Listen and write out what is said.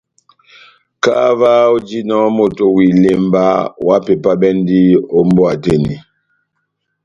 Kahá ová ojinɔ moto wa ilemba, ohápepabɛndi ó mbówa tɛ́h eni.